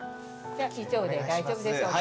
以上で大丈夫でしょうか。